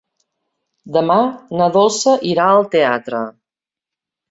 Demà na Dolça irà al teatre.